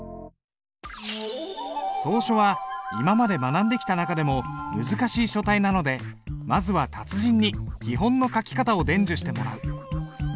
草書は今まで学んできた中でも難しい書体なのでまずは達人に基本の書き方を伝授してもらう。